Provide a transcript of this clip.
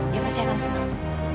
dia pasti akan senang